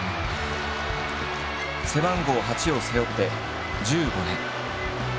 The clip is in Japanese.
背番号「８」を背負って１５年。